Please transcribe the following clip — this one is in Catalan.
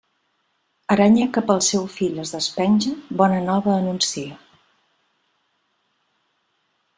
Aranya que pel seu fil es despenja, bona nova anuncia.